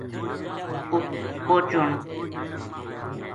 اُت پوہچن